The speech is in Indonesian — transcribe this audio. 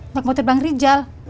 nek motor bang rijal